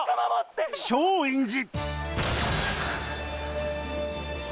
松陰寺